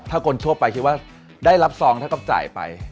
ถ้าคนทั่วไปคิดว่าได้รับซองเท่ากับจ่ายไป